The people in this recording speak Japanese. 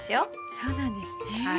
そうなんですね。